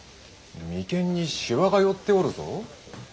眉間にしわが寄っておるぞ。